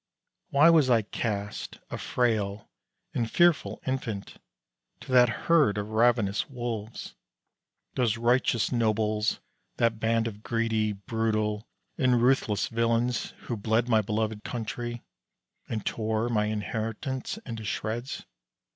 Why was I cast, a frail and fearful infant, to that herd of ravenous wolves, those riotous nobles, that band of greedy, brutal, and ruthless villains who bled my beloved country and tore my inheritance into shreds?